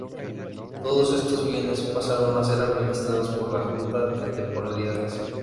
Todos estos bienes pasaron a ser administrados por la "Junta de Temporalidades".